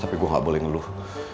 tapi gue gak boleh ngeluh